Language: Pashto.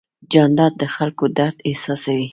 جانداد د خلکو درد احساسوي.